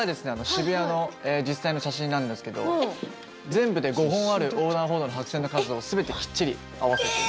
渋谷の実際の写真なんですけど全部で５本ある横断歩道の白線の数を全てきっちり合わせて。